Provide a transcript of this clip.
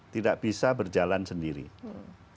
tidak bisa berjalan sendiri